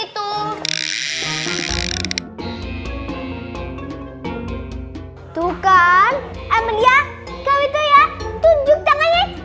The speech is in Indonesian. tuh kan amalia kau itu ya tunjuk tangannya gitu ya